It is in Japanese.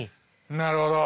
なるほど！